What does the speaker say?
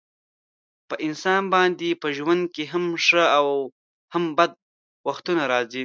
په انسان باندې په ژوند کې هم ښه او هم بد وختونه راځي.